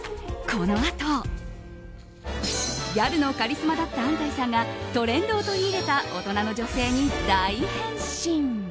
このあとギャルのカリスマだった安西さんがトレンドを取り入れた大人の女性に大変身。